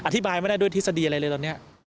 อธิบายไม่ได้ด้วยทฤษฎีอะไรเลยตอนนี้